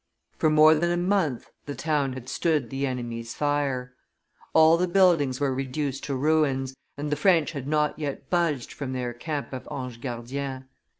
For more than a month the town had stood the enemy's fire; all the buildings were reduced to ruins, and the French had not yet budged from their camp of Ange Gardien.